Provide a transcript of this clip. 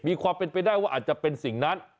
มีความเป็นไปได้ว่าอาจจะเป็นสิ่งนั้น